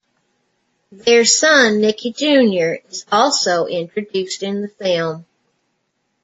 Their son, Nicky Junior is also introduced in the film.